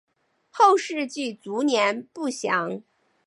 后事及卒年不详。